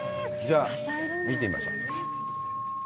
じゃあ、見てみましょう。